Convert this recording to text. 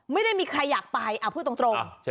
ไม่ได้มีใครอยากไปพูดตรง